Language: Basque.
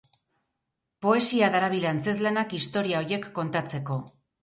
Poesia darabil antzezlanak historia horiek kontatzeko.